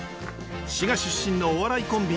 滋賀出身のお笑いコンビ